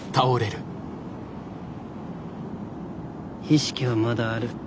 意識はまだある。